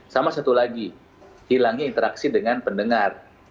sama satu lagi hilangnya interaksi dengan pendengar